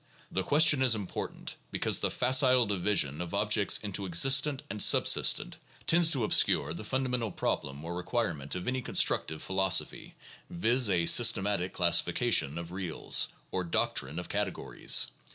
The ques tion is important, because the facile division of objects into existent and subsistent tends to obscure the fundamental problem or re quirement of any constructive philosophy, viz., a systematic classifi cation of reals, or doctrine of categories.